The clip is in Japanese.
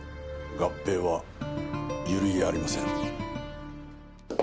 合併は揺るぎありません。